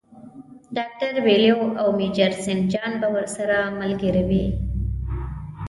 ډاکټر بیلیو او میجر سینټ جان به ورسره ملګري وي.